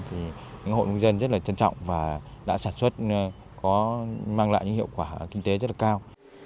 thì những hộ nông dân rất là trân trọng và đã sản xuất có mang lại những hiệu quả kinh tế rất là cao